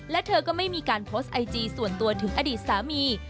และเธอก็ไม่มีการโพสต์ไอจีส่วนตัวถึงอดีตสามี